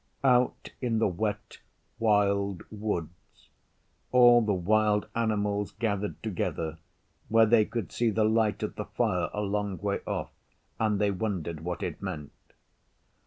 Out in the Wet Wild Woods all the wild animals gathered together where they could see the light of the fire a long way off, and they wondered what it meant.